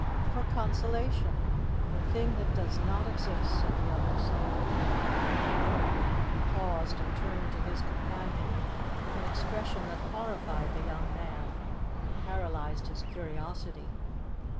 "For consolation. For a thing that does not exist," said the other slowly. He paused and turned to his companion with an expression that horrified the young man and paralyzed his curiosity.